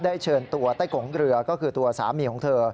เชิญตัวไต้กงเรือก็คือตัวสามีของเธอ